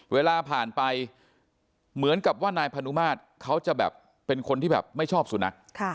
เวลาผ่านไปเหมือนกับว่านายพนุมาตรเขาจะแบบเป็นคนที่แบบไม่ชอบสุนัข